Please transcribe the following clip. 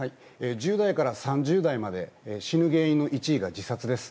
１０代から３０代まで死ぬ原因の１位が自殺です。